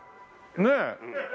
ねえ。